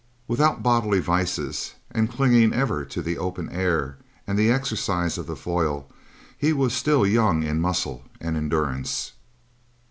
Without bodily vices, and clinging ever to the open air and the exercise of the foil, he was still young in muscle and endurance.